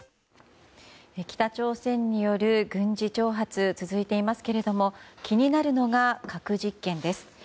北朝鮮による軍事挑発が続いていますが気になるのが核実験です。